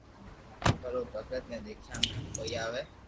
پر او ڀگت ني ديکيا ۾ ڪوئي آوي